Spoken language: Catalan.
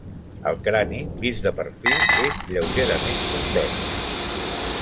El crani, vist de perfil, és lleugerament convex.